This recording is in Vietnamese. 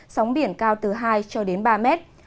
sóng biển cao từ hai cho đến ba mét